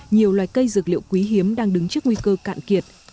nhiều loài cây dược liệu quý hiếm đang đứng trước nguy cơ cạn kiệt